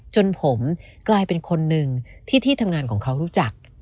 จนผมกลายเป็นคนหนึ่งที่ที่ทำงานของเขารู้จัก